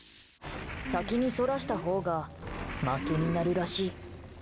先にそらしたほうが負けになるらしい。